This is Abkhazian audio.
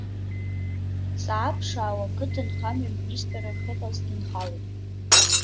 Дҵаа-ԥшаауа, ақыҭа нхамҩа аминистрра ахьыҟаз дынхалеит.